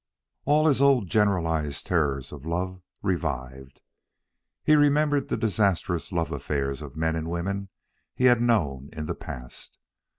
All his old generalized terrors of love revived. He remembered the disastrous love affairs of men and women he had known in the past.